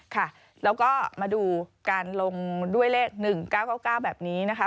ค่ะแล้วก็มาดูการลงด้วยเลข๑๙๙๙แบบนี้นะคะ